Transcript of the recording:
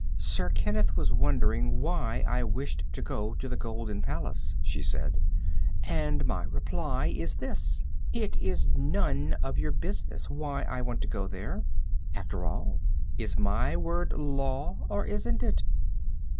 "Sir Kenneth was wondering why I wished to go to the Golden Palace," she said. "And my reply is this: it is none of your business why I want to go there. After all, is my word law, or isn't it?"